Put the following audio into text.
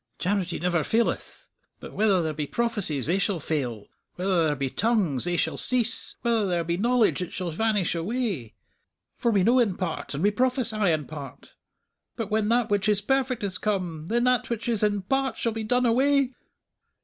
_ "_'Charity never faileth: but whether there be prophecies, they shall fail; whether there be tongues, they shall cease; whether there be knowledge, it shall vanish away._ "'For we know in part, and we prophesy in part. "_'But when that which is perfect is come, then that which is in part shall be done away.'